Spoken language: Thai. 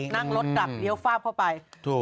นั่งรถดาบเดียวฟาบเข้าไป